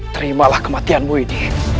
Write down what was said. terimalah kematianmu ini